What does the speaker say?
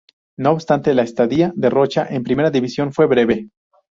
No obstante, la estadía de Rocha en Primera División fue breve.